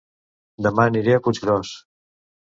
Dema aniré a Puiggròs